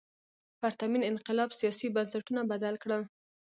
پرتمین انقلاب سیاسي بنسټونه بدل کړل.